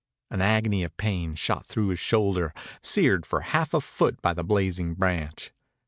An agony of pain shot through his shoulder, seared for half a foot by the blazing branch.